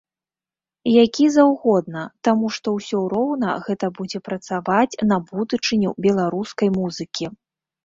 Які заўгодна, таму што ўсё роўна гэта будзе працаваць на будучыню беларускай музыкі.